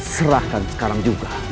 serahkan sekarang juga